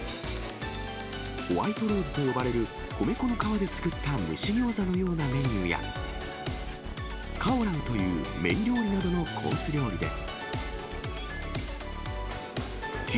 ホワイトローズと呼ばれる米粉の皮で作った蒸しギョーザのようなメニューや、カオラウという麺料理などのコース料理です。